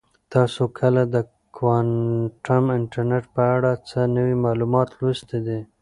تاسو کله د کوانټم انټرنیټ په اړه څه نوي معلومات لوستي دي؟